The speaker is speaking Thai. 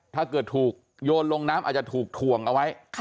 ถ้าเกิดถูกโยนลงน้ำอาจจะถูกถ่วงเอาไว้